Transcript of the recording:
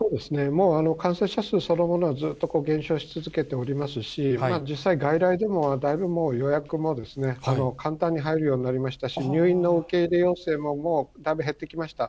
もう感染者数そのものはずっと減少し続けておりますし、実際、外来でもだいぶもう予約も簡単に入るようになりましたし、入院の受け入れ要請ももうだいぶ減ってきました。